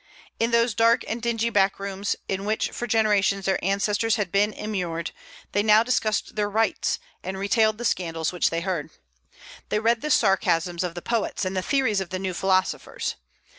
In those dark and dingy backrooms, in which for generations their ancestors had been immured, they now discussed their rights, and retailed the scandals which they heard. They read the sarcasms of the poets and the theories of the new philosophers.